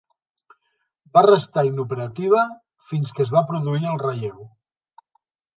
Va restar inoperativa fins que es va produir el relleu.